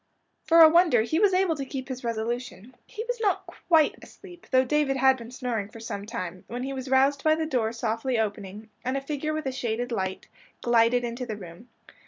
For a wonder he was able to keep his resolution. He was not quite asleep, though David had been snoring for some time, when he was roused by the door softly opening, and a figure with a shaded light, glided into the room.